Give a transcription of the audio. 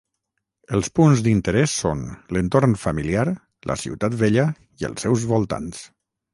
Els punts d'interès són l'entorn familiar, la ciutat vella i els seus voltants.